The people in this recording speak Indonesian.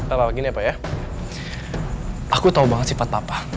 apalagi nih ya pak ya aku tau banget sifat papa